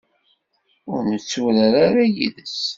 Ur netturar ara yid-s.